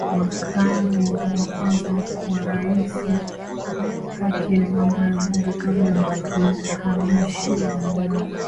Makamu wa Kwanza wa Rais haki na Mambo ya Bunge kabla ya kuhamishiwa Wizara